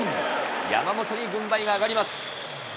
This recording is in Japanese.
山本に軍配が上がります。